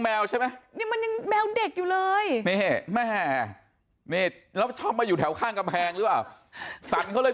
อ้าวนี่